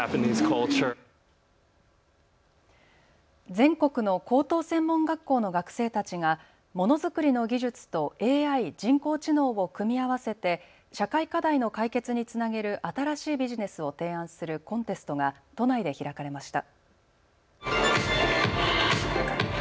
全国の高等専門学校の学生たちがものづくりの技術とＡＩ・人工知能を組み合わせて社会課題の解決につなげる新しいビジネスを提案するコンテストが都内で開かれました。